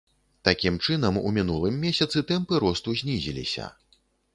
Такім чынам у мінулым месяцы тэмпы росту знізіліся.